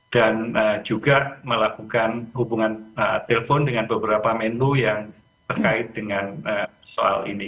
dan juga melakukan hubungan telepon dengan beberapa menlo yang terkait dengan soal ini